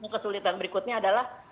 kesulitan berikutnya adalah